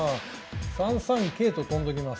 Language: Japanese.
３三桂と跳んどきます。